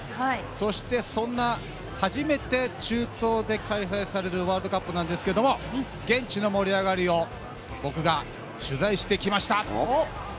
そして、そんな初めて中東で開催されるワールドカップなんですけども現地の盛り上がりを僕が取材してきました。